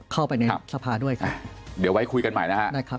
ข้อไปในทรัพย์ด้วยเดี๋ยวไว้คุยกันใหม่นะฮะ